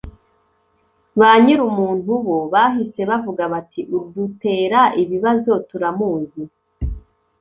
banyirumuntu bo bahise bavuga bati udutera ibibazo turamuzi